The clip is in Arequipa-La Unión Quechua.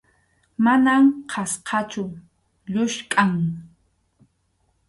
Mana qhachqachu, lluskʼam.